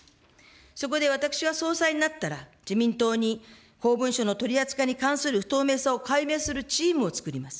そこで私は総裁になったら、自民党に公文書の取り扱いに関する不透明さを解明するチームを作ります。